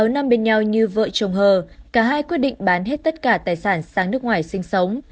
bốn năm bên nhau như vợ chồng hờ cả hai quyết định bán hết tất cả tài sản sang nước ngoài sinh sống